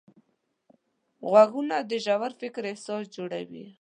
غوږونه د ژور فکر اساس جوړوي